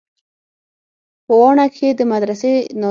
په واڼه کښې د مدرسې ناظم ويل.